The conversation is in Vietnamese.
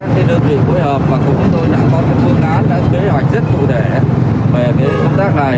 chúng tôi đã có một phương án kế hoạch rất cụ thể về công tác này